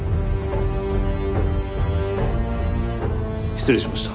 失礼しました。